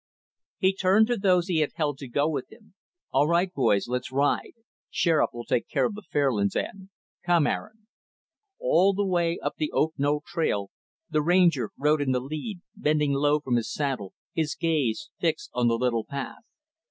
He turned to those he had held to go with him; "All right, boys, let's ride. Sheriff will take care of the Fairlands end. Come, Aaron." All the way up the Oak Knoll trail the Ranger rode in the lead, bending low from his saddle, his gaze fixed on the little path.